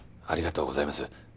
ありがとうございます。